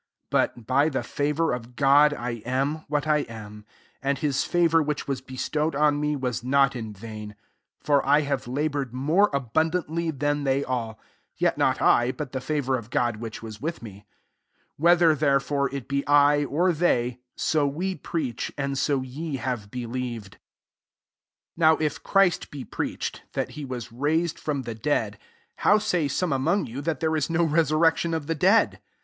10 But by the ^nvour of God I am what I am : and his favour which VH19 beMtowfd on me, was i>ot in vain ; for I have labcHired more abundantly than they all ; jet not I, but the favour of God which wa* with me.) 11 Whether* therefore ii be I, or they, so we preach, and so ye have believed* 15 Now if Christ be preach ed, that he was raised from ther dead, how saj some among you that there is no resurrection of the dead?